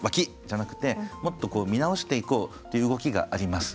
じゃなくてもっと見直していこうっていう動きがあります。